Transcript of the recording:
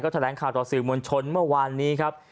แถลงข่าวต่อสื่อมวลชนเมื่อวานนี้ครับ